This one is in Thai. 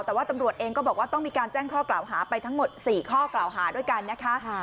แต่ว่าตำรวจเองก็บอกว่าต้องมีการแจ้งข้อกล่าวหาไปทั้งหมด๔ข้อกล่าวหาด้วยกันนะคะ